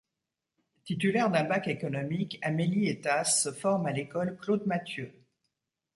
Titulaire d'un bac économique, Amélie Etasse se forme à l'école Claude-Mathieu.